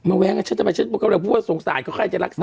มาแว๊งอ่ะฉันกำลังพูดว่าสงสารเขาใครจะรักษา